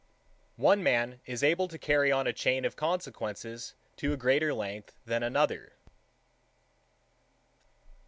3. One man is able to carry on a chain of consequences to a greater length than another.